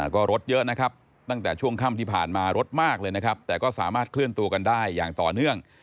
ก็รถเยอะนะครับตั้งแต่ช่วงค่ำที่ผ่านมารถมากเลยนะครับแต่ก็สามารถเคลื่อนตัวกันได้อย่างต่อเนื่อง